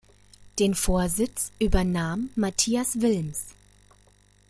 Den Vorsitz übernahm Mathias Wilms.